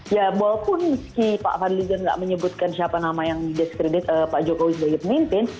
ya walaupun meski pak fadli zon nggak menyebutkan siapa nama yang dideskredit pak jokowi sebagai pemimpin